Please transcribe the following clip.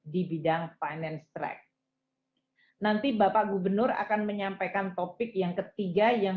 di bidang finance track nanti bapak gubernur akan menyampaikan topik yang ketiga yang